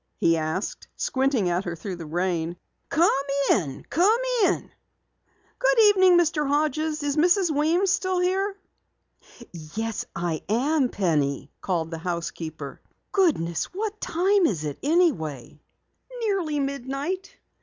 he asked, squinting at her through the rain. "Come in! Come in!" "Good evening, Mr. Hodges. Is Mrs. Weems still here?" "Yes, I am, Penny," called the housekeeper. "Goodness, what time is it anyway?" "Nearly midnight."